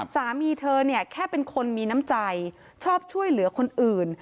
สามีเธอเนี่ยแค่เป็นคนมีน้ำใจชอบช่วยเหลือคนอื่น